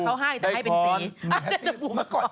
เขาให้แต่ให้เป็นซีได้คอร์น